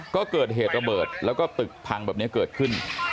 ก็เกิดเหตุระเบิดแล้วก็ตึกพังแบบนี้เกิดขึ้น